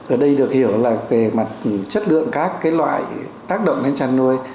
ở đây được hiểu là về mặt chất lượng các loại tác động đến chăn nuôi